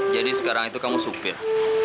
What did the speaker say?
jadi sekarang itu kamu supir